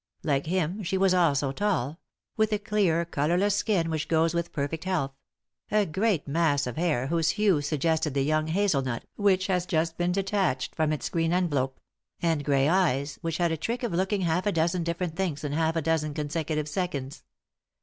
Like him, she was also tall ; with a clear, colourless skin which goes with perfect health ; a great mass of hair whose hue suggested the young hazel nut which has just been detached from its green envelope ; and grey eyes, which had a trick of looking half a dozen different things in half a dozen consecutive seconds.